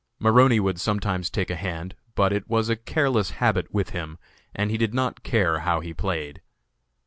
Maroney would sometimes take a hand, but it was a careless habit with him, and he did not care how he played.